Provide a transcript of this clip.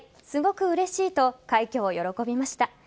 すごくうれしいと快挙を喜びました。